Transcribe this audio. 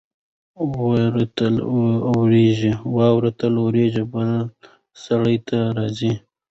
واوره تل اورېږي. بل سړی تل راځي.